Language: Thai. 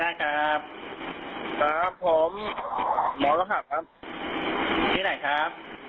อยู่ที่ไหนครับ